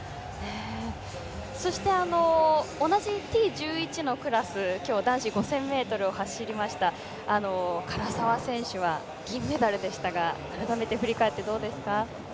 そして同じＴ１１のクラス今日男子５０００ｍを走りました唐澤選手は銀メダルでしたが改めて振り返ってどうですか。